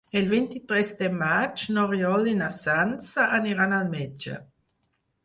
El vint-i-tres de maig n'Oriol i na Sança aniran al metge.